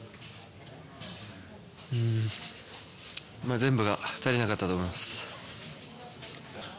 全部が足りなかったと思います。